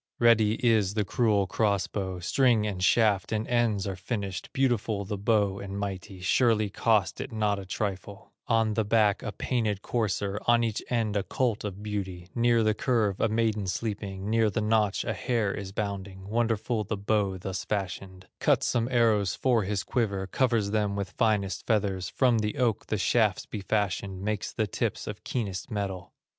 Ready is the cruel cross bow, String, and shaft, and ends are finished, Beautiful the bow and mighty, Surely cost it not a trifle; On the back a painted courser, On each end a colt of beauty, Near the curve a maiden sleeping, Near the notch a hare is bounding, Wonderful the bow thus fashioned; Cuts some arrows for his quiver, Covers them with finest feathers, From the oak the shafts he fashions, Makes the tips of keenest metal.